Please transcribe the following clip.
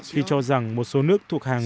khi cho rằng một số nước thuộc hàng